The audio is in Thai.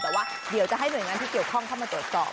แต่ว่าเดี๋ยวจะให้หน่วยงานที่เกี่ยวข้องเข้ามาตรวจสอบ